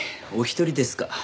お一人ですか？